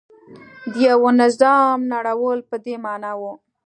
د یوه نظام نړول په دې معنا و.